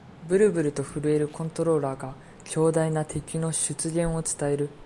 ブルブルと震えるコントローラーが、強大な敵の出現を伝える